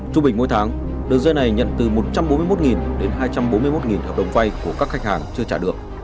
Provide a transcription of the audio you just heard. trung bình mỗi tháng đường dây này nhận từ một trăm bốn mươi một đến hai trăm bốn mươi một hợp đồng vay của các khách hàng chưa trả được